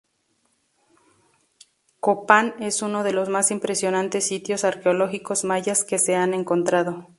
Copán es uno de los más impresionantes sitios arqueológicos mayas que se han encontrado.